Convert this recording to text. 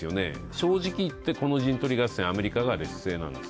正直言って、この陣取り合戦アメリカが劣勢なんです。